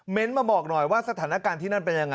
มาบอกหน่อยว่าสถานการณ์ที่นั่นเป็นยังไง